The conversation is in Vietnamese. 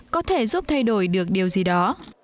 có thể giúp thay đổi được điều gì đó